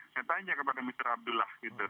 saya tanya kepada mr abdullah